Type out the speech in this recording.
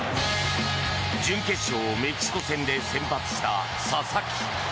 準決勝、メキシコ戦で先発した佐々木。